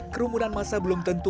kerumunan masa belum tentu